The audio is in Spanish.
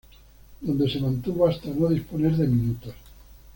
Donde se mantuvo hasta no disponer de minutos.